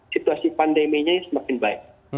situasi pandeminya semakin baik